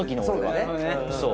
そうだね。